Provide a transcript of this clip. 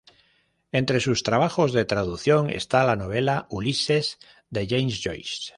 Entre sus trabajos de traducción está la novela "Ulises", de James Joyce.